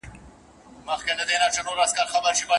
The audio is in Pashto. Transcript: د سترو پروژو لپاره تل اوږدمهالې تګلارې او فکرونه جوړېږي.